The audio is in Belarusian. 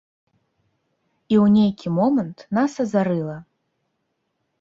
І ў нейкі момант нас азарыла.